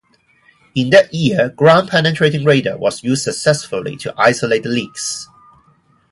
In that year Ground-penetrating radar was used successfully to isolate the leaks.